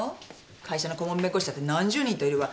会社の顧問弁護士だって何十人といるわ。